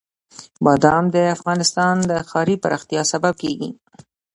بادام د افغانستان د ښاري پراختیا سبب کېږي.